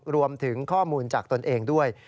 รวมถึงข้อมูลจากตนเองด้วย